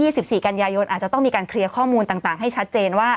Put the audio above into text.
สิบสี่กันยายนอาจจะต้องมีการเคลียร์ข้อมูลต่างให้ชัดเจนว่า